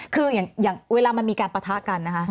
คืออย่างเวลามันมีการปะทะกันนะคะ